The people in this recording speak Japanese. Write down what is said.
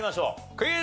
クイズ。